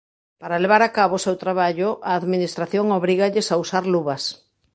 Para levar a cabo o seu traballo a administración obrígalles a usar luvas.